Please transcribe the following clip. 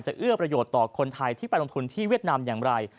เอื้อประโยชน์ต่อคนไทยที่ไปลงทุนที่เวียดนามอย่างไร